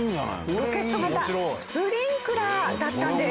ロケット型スプリンクラーだったんです。